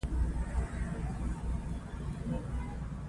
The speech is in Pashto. له فضا د مکې منظره د زړه راښکونکې ده.